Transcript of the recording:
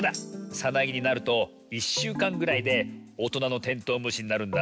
さなぎになると１しゅうかんぐらいでおとなのテントウムシになるんだ。